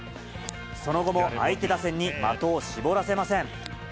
その後も相手打線に的を絞らせません。